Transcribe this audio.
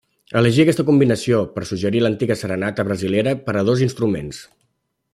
Elegí aquesta combinació, per suggerir l'antiga serenata brasilera per a dos instruments.